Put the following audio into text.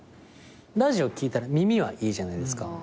ラジオ聴いたら耳はいいじゃないですか。